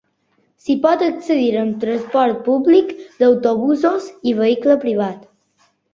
S’hi pot accedir amb transport públic d’autobusos i vehicle privat.